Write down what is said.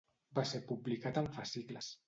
Va ser publicat en fascicles.